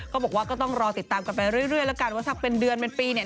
ก็ต้องบอกว่าก็ต้องรอติดตามกันไปเรื่อยแล้วกันว่าถ้าเป็นเดือนเป็นปีเนี่ย